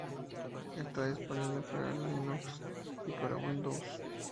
Está disponible para Linux y para Windows.